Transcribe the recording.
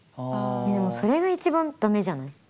でもそれが一番駄目じゃない？